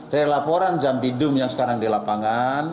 dari laporan jambi dum yang sekarang di lapangan